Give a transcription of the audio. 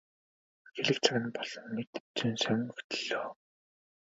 Хэлэх цаг нь болсон мэт зөн совин хөтөллөө.